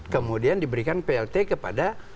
kemudian diberikan plt kepada